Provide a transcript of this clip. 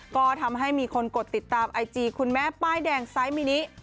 ก็ทำให้มีคนกดติดตามไอจีคุณแม่ป้ายแดงไซส์มินิ